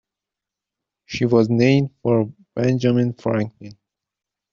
She was named for Benjamin Franklin.